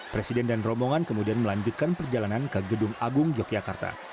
presiden dan rombongan kemudian melanjutkan perjalanan ke gedung agung yogyakarta